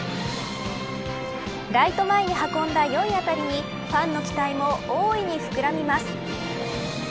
ライト前に運んだよい当たりにファンの期待も大いに膨らみます。